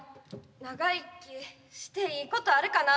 長生きしていいことあるかな。